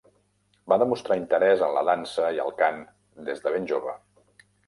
Va demostrar interès en la dansa i el cant des de ben jove.